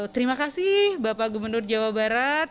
terima kasih bapak gubernur jawa barat